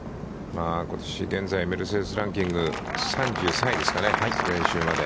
ことし現在、メルセデス・ランキング、３３位ですかね、先週まで。